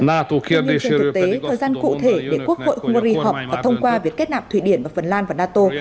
trong những trường thực tế thời gian cụ thể để quốc hội hungary họp và thông qua việc kết nạp thụy điển và phần lan và nato